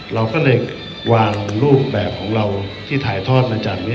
เราก็เลยวางรูปแบบของเราที่ถ่ายทอดมาจากนี้